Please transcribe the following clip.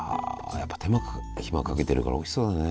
やっぱり手間暇かけてるからおいしそうだね。